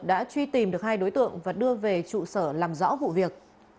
đã truy tìm được hai đối tượng và đưa về trụ sở làm rõ vụ việc